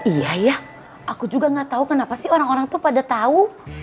iya ya aku juga gak tau kenapa sih orang orang tuh pada tau